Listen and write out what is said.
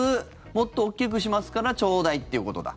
もっと大きくしますからちょうだいということだ。